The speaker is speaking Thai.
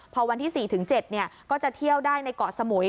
พอวันที่๔๗ก็จะเที่ยวได้ในเกาะสมุย